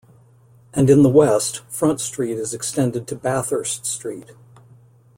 And in the west, Front Street is extended to Bathurst Street.